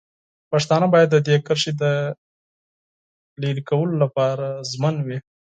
پښتانه باید د دې کرښې د لرې کولو لپاره ژمن وي.